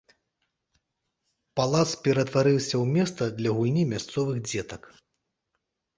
Палац ператварыўся ў месца для гульні мясцовых дзетак.